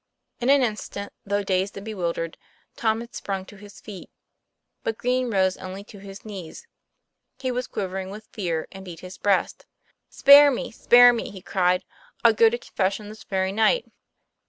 In an instant, though dazed and bewildered, Tom had sprung to his feet. But Green rose only to his knees ; he was quivering with fear and beat his breast. "Spare me! spare me!" he cried. * I'll go to con fession this very night."